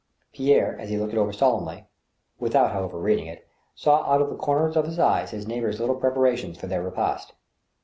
Pierre, as he looked it over solemnly, without however reading it, saw out of the comers of his eyes his neighbors* little preparations for their repast.